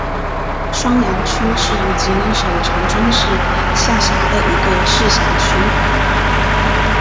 双阳区是吉林省长春市下辖的一个市辖区。